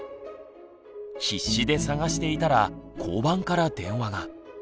必死で捜していたら交番から電話が。